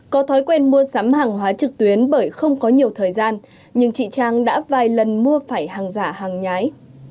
có thói quen mua sắm hàng hóa trực tuyến bởi không có nhiều thời gian nhưng chị trang đã vài lần mua phải hàng giả hàng nhái